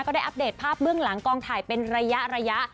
ได้อัปเดตภาพเบื้องหลังกองถ่ายเป็นระยะ